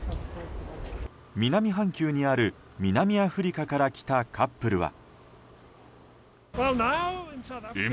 南半球にある、南アフリカから来たカップルは。